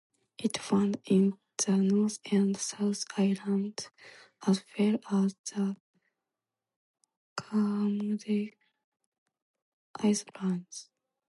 It found in the North and South Islands as well as the Kermadec Islands.